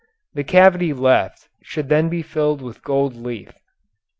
The cavity left should then be filled with gold leaf."